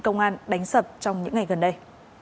công an đánh sập trong những ngày gần đây